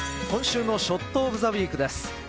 今週のショットオブザウィークです。